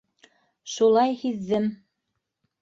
Шулай һиҙҙем.